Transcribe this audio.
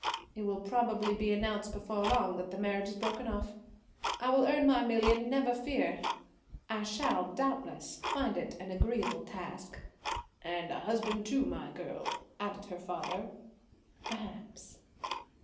It will probably be announced before long that the marriage is broken off. I will earn my million, never fear. I shall, doubtless, find it an agreeable task." "And a husband, too, my girl," added her father. "Perhaps."